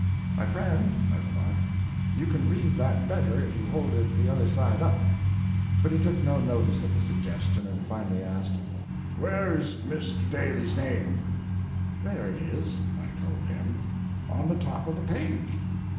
"My friend," I remarked, "you can read that better if you hold it the other side up." But he took no notice of the suggestion, and finally asked: "Where's Mr. Daly's name?" "There it is," I told him, "on the top of the page."